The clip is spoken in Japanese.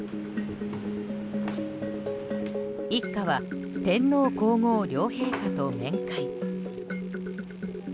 一家は天皇・皇后両陛下と面会。